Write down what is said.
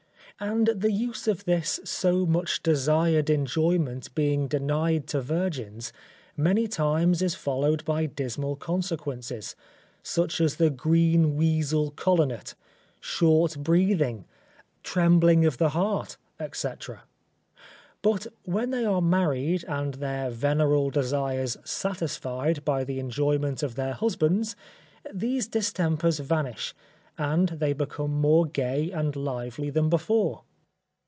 And the use of this so much desired enjoyment being denied to virgins, many times is followed by dismal consequences; such as the green weesel colonet, short breathing, trembling of the heart, etc. But when they are married and their veneral desires satisfied by the enjoyment of their husbands, these distempers vanish, and they become more gay and lively than before.